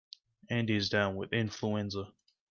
Andy is down with influenza.